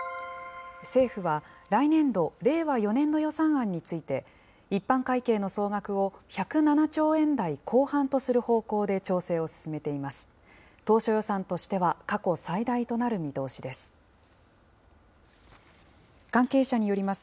政府は、来年度・令和４年の予算案について、一般会計の総額を１０７兆円台後半とする方向で調整を進めています。